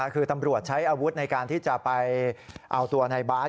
คือตำรวจใช้อาวุธในการที่จะไปเอาตัวในบาส